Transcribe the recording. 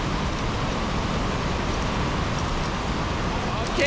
ＯＫ！